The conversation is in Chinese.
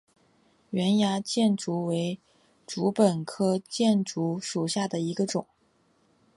圆芽箭竹为禾本科箭竹属下的一个种。